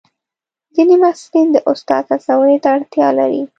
ځینې محصلین د استاد هڅونې ته اړتیا لري.